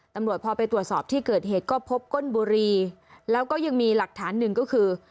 ตำรวจพอไปตรวจสอบที่เกิดเหตุก็พบก้นบุรีแล้วก็ยังมีหลักฐานหนึ่งก็คือ